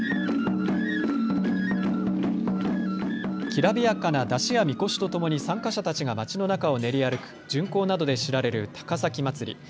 きらびやかな山車やみこしとともに参加者たちが街の中を練り歩く巡行などで知られる高崎まつり。